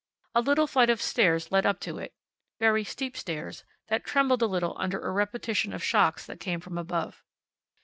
A little flight of steps led up to it very steep steps, that trembled a little under a repetition of shocks that came from above.